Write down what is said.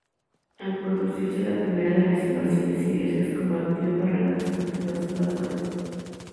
Al producirse la primera de las Invasiones inglesas combatió en Barracas contra los invasores.